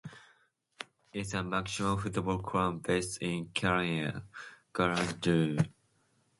Celaya Club Deportivo is a Mexican football club based in Celaya, Guanajuato.